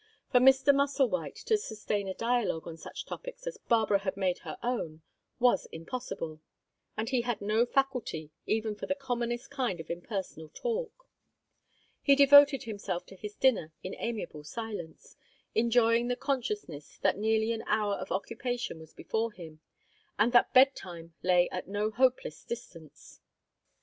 For Mr. Musselwhite to sustain a dialogue on such topics as Barbara had made her own was impossible, and he had no faculty even for the commonest kind of impersonal talk. He devoted himself to his dinner in amiable silence, enjoying the consciousness that nearly an hour of occupation was before him, and that bed time lay at no hopeless distance.